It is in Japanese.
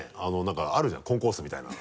何かあるじゃんコンコースみたいなの。